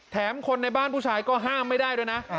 คนในบ้านผู้ชายก็ห้ามไม่ได้ด้วยนะ